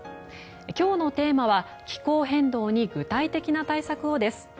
今日のテーマは「気候変動に具体的な対策を」です。